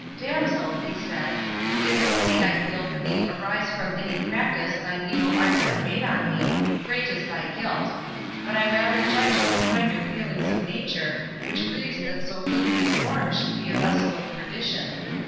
"Damsel," he said, "if the pity I feel for thee arise from any practice thine evil arts have made on me, great is thy guilt. But I rather judge it the kinder feelings of nature, which grieves that so goodly a form should be a vessel of perdition.